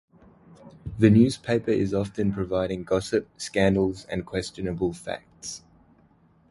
The newspaper is often providing gossip, scandals and questionable facts.